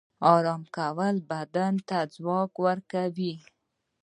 آرام کول بدن ته ځواک ورکوي